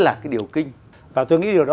là cái điều kinh và tôi nghĩ điều đó